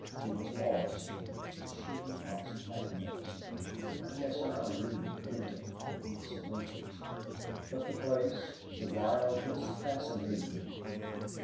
She was lost, but she was magnificent. "I guess I'll leave Benton," he soliloquized. But the place, the wildness, fascinated him.